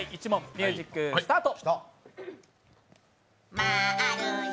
ミュージックスタート！